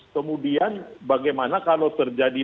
kemudian bagaimana kalau terjadi